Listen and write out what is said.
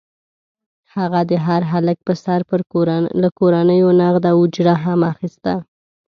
هغه د هر هلک پر سر له کورنیو نغده اجوره هم اخیسته.